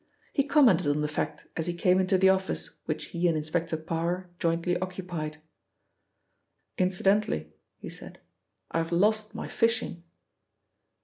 He commented on the fact as he came into the office which he and Inspector Parr jointly occupied. "Incidentally," he said, "I have lost my fishing."